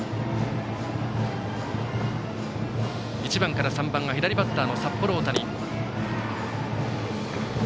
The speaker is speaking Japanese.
１番から３番が左バッターの札幌大谷。